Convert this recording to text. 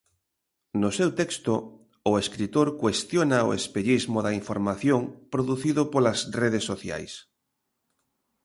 No seu texto, o escritor cuestiona o espellismo da información producido polas redes sociais.